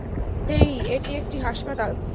হেই, এটি একটি হাসপাতাল।